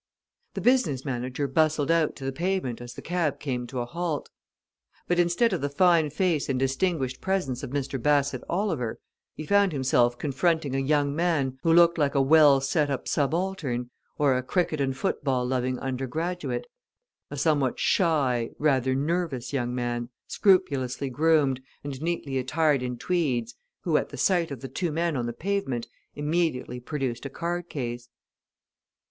The business manager bustled out to the pavement as the cab came to a halt. But instead of the fine face and distinguished presence of Mr. Bassett Oliver, he found himself confronting a young man who looked like a well set up subaltern, or a cricket and football loving undergraduate; a somewhat shy, rather nervous young man, scrupulously groomed, and neatly attired in tweeds, who, at sight of the two men on the pavement, immediately produced a card case.